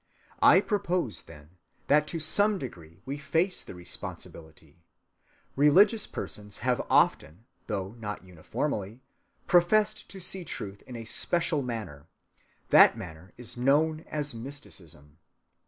I propose, then, that to some degree we face the responsibility. Religious persons have often, though not uniformly, professed to see truth in a special manner. That manner is known as mysticism.